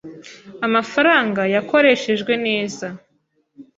Amafaranga yakoreshejwe neza.